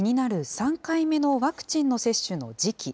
３回目のワクチンの接種の時期。